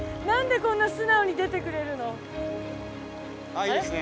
ああいいですね。